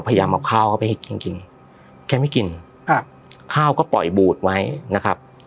พยายามเอาข้าวเข้าไปให้กินจริงแกไม่กินครับข้าวก็ปล่อยบูดไว้นะครับ